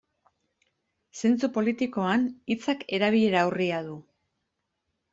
Zentzu politikoan, hitzak erabilera urria du.